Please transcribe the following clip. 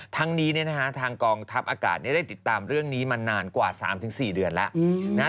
ทั้งนี้ทางกองทัพอากาศได้ติดตามเรื่องนี้มานานกว่า๓๔เดือนแล้วนะฮะ